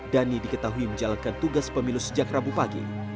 dhani diketahui menjalankan tugas pemilu sejak rabu pagi